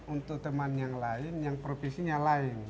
untuk teman yang lain yang profesinya lain